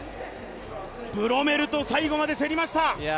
ブロメルと最後まで競りました。